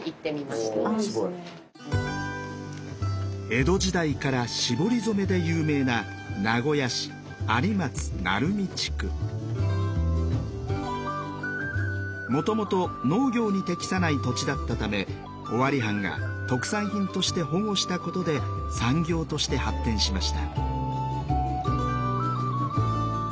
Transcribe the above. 江戸時代から絞り染めで有名なもともと農業に適さない土地だったため尾張藩が特産品として保護したことで産業として発展しました。